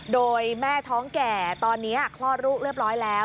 โดยแม่ท้องแก่ตอนนี้คลอดลูกเรียบร้อยแล้ว